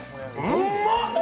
うまっ！